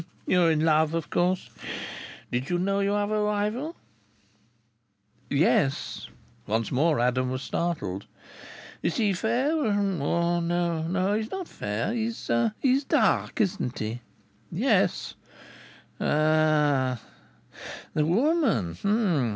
"You're in love, of course. Did you know you have a rival?" "Yes." Once more Adam was startled. "Is he fair? No, he's not fair. He's dark. Isn't he?" "Yes." "Ah! The woman.